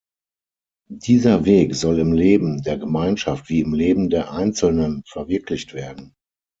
Dieser Weg soll im Leben der Gemeinschaft wie im Leben der einzelnen verwirklicht werden.